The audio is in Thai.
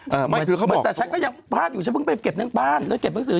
เหมือนแต่ฉันก็ยังพลาดอยู่ฉันเพิ่งไปเก็บเรื่องบ้านแล้วเก็บหนังสือ